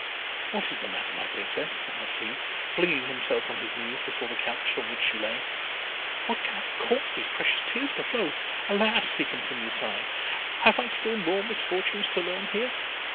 "What is the matter, my Princess?" asked he, flinging himself on his knees before the couch on which she lay. "What can have caused these precious tears to flow? Alas!" he continued, sighing, "have I still more misfortunes to learn here?"